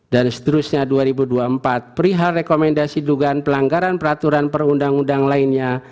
dan seterusnya dua ribu dua puluh empat prihal rekomendasi dugaan pelanggaran peraturan perundang undang lainnya